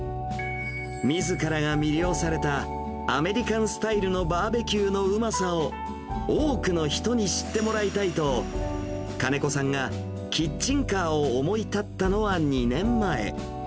みずからが魅了されたアメリカンスタイルのバーベキューのうまさを、多くの人に知ってもらいたいと、金子さんがキッチンカーを思い立ったのは２年前。